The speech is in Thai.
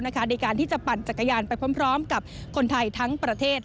ในการที่จะปั่นจักรยานไปพร้อมกับคนไทยทั้งประเทศ